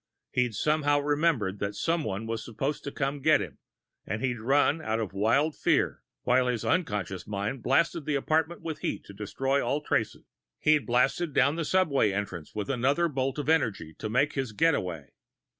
He'd somehow remembered that someone was supposed to come to get him, and he'd run out in wild fear, while his unconscious mind blasted the apartment with heat to destroy all traces. He'd blasted down the subway entrance with another bolt of energy to make his getaway.